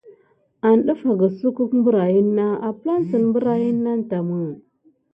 Ho ni def akine sucko apane sine birayane nani game.